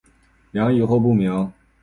梁以后不明。